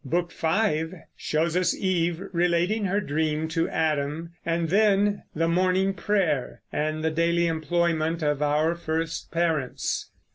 Book V shows us Eve relating her dream to Adam, and then the morning prayer and the daily employment of our first parents.